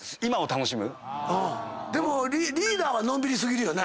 でもリーダーはのんびり過ぎるよね。